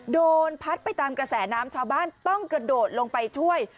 โดนพัดไปตามกระแสน้ำชาวบ้านต้องกระโดดลงไปช่วย